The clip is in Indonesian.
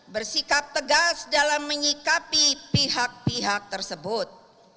bersikap tegas dalam menyikapi pihak pihak tersebut